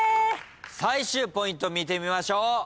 最終ポイント見てみましょう。